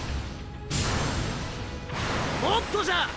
もっとじゃ！